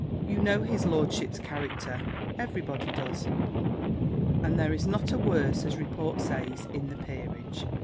You know his lordship's character: every body does; and there is not a worse, as report says, in the peerage.